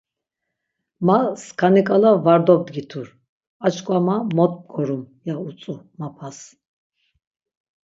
Ma skani ǩala var dobdgitur ar çkva ma mot mgorum ya utzu mapas.